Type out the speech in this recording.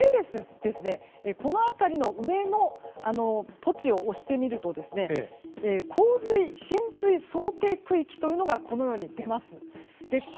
この辺りの上のポチを押してみると洪水浸水想定区域というのがこのように出ます。